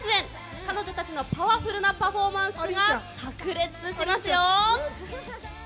彼女たちのパワフルなパフォーマンスがさく裂しますよ。